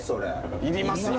いりますよ。